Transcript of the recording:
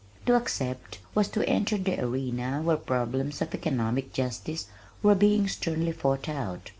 To accept was to enter the arena where problems of economic justice were being sternly fought out.